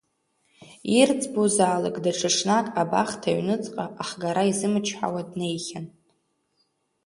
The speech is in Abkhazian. Ирӡбозаалак даҽа ҽнак абахҭа аҩныҵҟа ахгара изымчҳауа днеихьан.